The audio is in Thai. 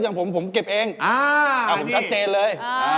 อย่างผมผมเก็บเองผมชัดเจนเลย